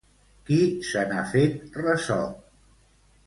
Qui se n'ha fet ressò?